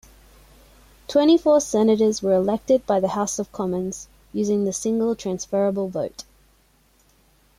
Twenty-four senators were elected by the House of Commons using the single transferable vote.